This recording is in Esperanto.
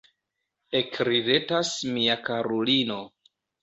Ekridetas mia karulino.